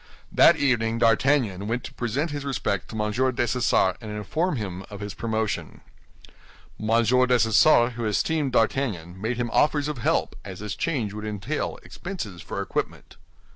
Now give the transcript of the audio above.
That evening D'Artagnan went to present his respects to M. Dessessart, and inform him of his promotion. M. Dessessart, who esteemed D'Artagnan, made him offers of help, as this change would entail expenses for equipment.